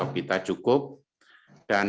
kita cukup dan